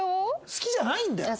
好きじゃないんだよ。